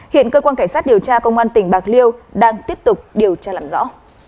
hiện cơ quan cảnh sát điều tra công an tỉnh bạc liêu đang tiếp tục điều tra làm rõ